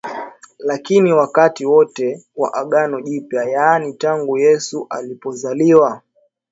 Lakini wakati wote wa Agano Jipya yaani tangu Yesu alipozaliwa